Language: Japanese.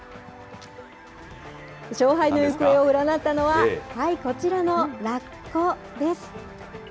勝敗の行方を占ったのは、こちらのラッコです。